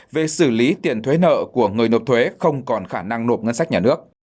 về xử lý tiền thuế nợ của người nộp thuế không còn khả năng nộp ngân sách nhà nước